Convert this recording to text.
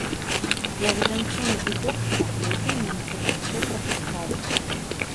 Як жанчыну і доктара, яе немцы лягчэй прапускалі.